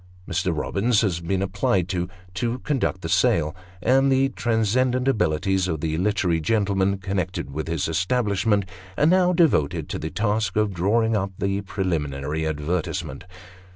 Mr. Eobins has been applied to, to conduct the sale, and the transcendent abilities of the literary gentle men connected with his establishment are now devoted to the task of drawing up the preliminary advertisement.